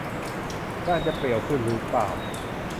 ย่านจะเปลี่ยวขึ้นรึเปล่า